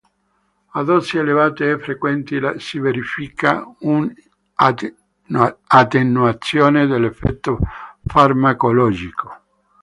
A dosi elevate e frequenti si verifica un’attenuazione dell’effetto farmacologico.